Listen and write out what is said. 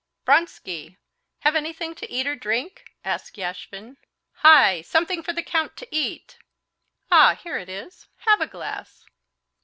"Vronsky! Have anything to eat or drink?" asked Yashvin. "Hi, something for the count to eat! Ah, here it is: have a glass!"